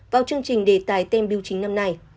vào chương trình đề tài tem biêu chính năm nay